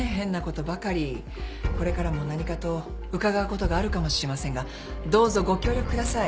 これからも何かと伺うことがあるかもしれませんがどうぞご協力ください。